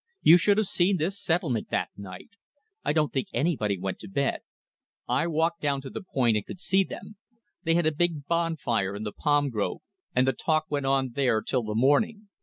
You should have seen this settlement that night. I don't think anybody went to bed. I walked down to the point, and could see them. They had a big bonfire in the palm grove, and the talk went on there till the morning.